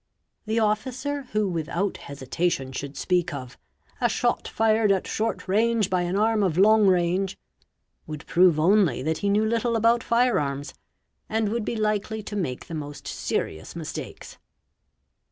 The officer who with out hesitation should speak of "'a shot fired at short range by an arm of long range'', would prove only that he knew little about fire arms; and would be likely to make the most serious mistakes.